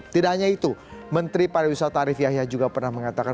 tidak hanya itu menteri pariwisata arief yahya juga pernah mengatakan